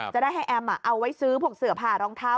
จะได้ให้แอมเอาไว้ซื้อพวกเสือผ่ารองเท้า